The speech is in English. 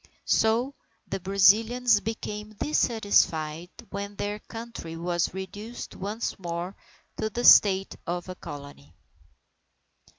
So the Brazilians became dissatisfied, when their country was reduced once more to the state of a Colony.